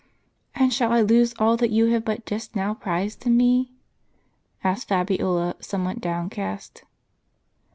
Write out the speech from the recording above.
" And shall I lose all that you have but just now prized in me? " asked Fabiola, somewhat downcast.